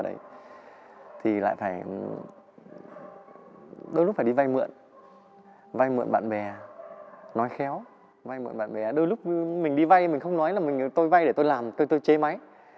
đôi lúc mình đi vay mình không nói là tôi vay để tôi làm tôi chế máy